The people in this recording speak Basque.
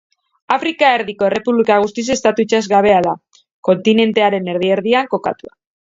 Afrika Erdiko Errepublika guztiz estatu itsasgabea da, kontinentearen erdi-erdian kokatua.